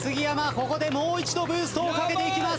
ここでもう一度ブーストをかけていきます。